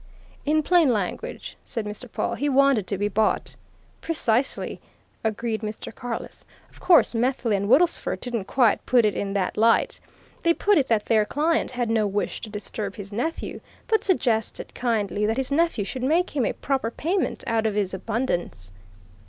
"In plain language," said Mr. Pawle, "he wanted to be bought." "Precisely!" agreed Mr. Carless. "Of course, Methley and Woodlesford didn't quite put it in that light. They put it that their client had no wish to disturb his nephew, but suggested, kindly, that his nephew should make him a proper payment out of his abundance."